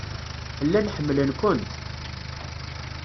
Llan ḥemmlen-kent.